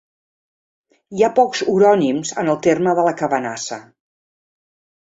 Hi ha pocs orònims, en el terme de la Cabanassa.